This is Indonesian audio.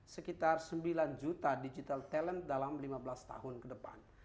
sekitar sembilan juta digital talent dalam lima belas tahun ke depan